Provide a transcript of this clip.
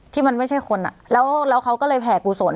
ที่มันไม่ใช่คนอ่ะแล้วเขาก็เลยแผ่กุศล